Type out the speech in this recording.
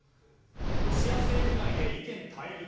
ロシア政府内で意見対立。